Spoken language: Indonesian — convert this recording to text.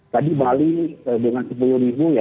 tadi bali dengan sepuluh ribu ya